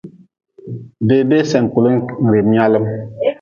Bebea sen kule n rim nyaalm.